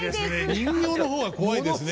人形の方が怖いですね。